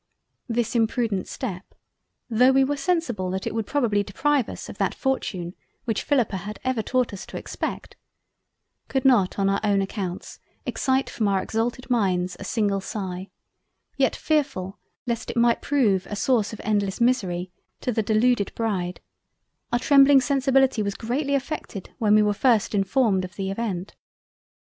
This imprudent step (tho' we were sensible that it would probably deprive us of that fortune which Philippa had ever taught us to expect) could not on our own accounts, excite from our exalted minds a single sigh; yet fearfull lest it might prove a source of endless misery to the deluded Bride, our trembling Sensibility was greatly affected when we were first informed of the Event.